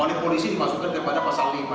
oleh polisi dimasukkan kepada pasal lima